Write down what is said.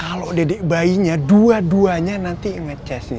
kalo dedek bayinya dua duanya nanti nge chase nya